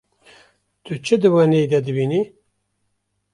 Tu çi di wêneyê de dibînî?